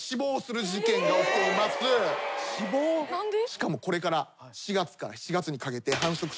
しかもこれから４月から７月にかけて繁殖シーズン。